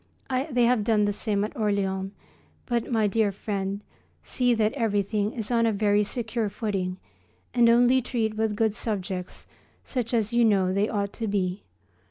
They have done the same at Orleans. But, my dear friend, see that everything is on a very secure footing and only treat with good subjects, such as you know they ought to be.